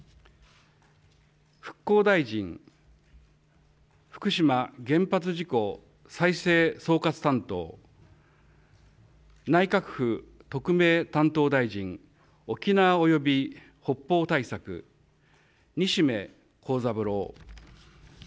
復興大臣、福島原発事故再生総括担当、内閣府特命担当大臣、沖縄及び北方対策、西銘恒三郎。